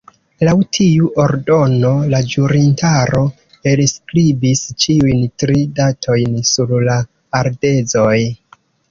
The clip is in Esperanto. Laŭ tiu ordono, la ĵurintaro elskribis ĉiujn tri datojn sur la ardezoj.